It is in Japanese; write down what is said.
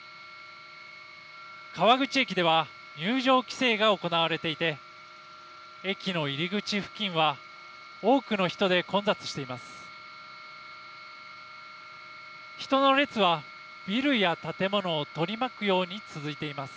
川口駅では入場規制が行われていて駅の入り口付近は多くの人で混雑しています。